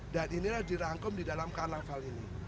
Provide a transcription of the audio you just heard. dan inilah dirangkum di dalam karnaval ini